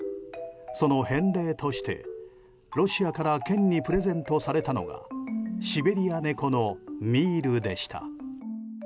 その返礼としてロシアから県にプレゼントされたのがシベリア猫のミールでした。